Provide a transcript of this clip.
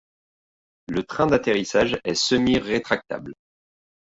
Le train d'atterrissage est semi-rétractable.